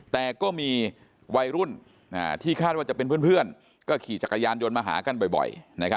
แต่ก็มีวัยรุ่นที่คาดว่าจะเป็นเพื่อนก็ขี่จักรยานยนต์มาหากันบ่อย